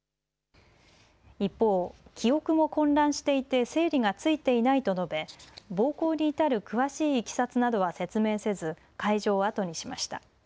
一方、記憶も混乱していて整理がついていないと述べ暴行に至る詳しいいきさつなどは説明せず会場を後にしました。